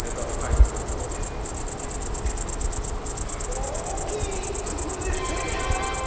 もう大きいくくりで正解でございます！